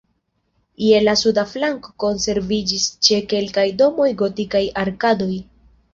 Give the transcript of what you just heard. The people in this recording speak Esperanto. Je la suda flanko konserviĝis ĉe kelkaj domoj gotikaj arkadoj.